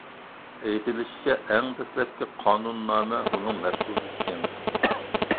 ئېيتىلىشىچە، ئەڭ دەسلەپكى قانۇننامە ئۇنىڭ مەھسۇلى ئىكەن.